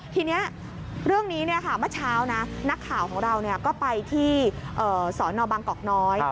ทีนี้เรื่องนี้เมื่อเช้านะนักข่าวของเราก็ไปที่สนบางกอกน้อย